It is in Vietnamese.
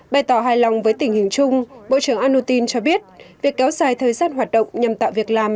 bày tỏ hài lòng với tình hình chung bộ trưởng an nu tin cho biết việc kéo dài thời gian hoạt động nhằm tạo việc làm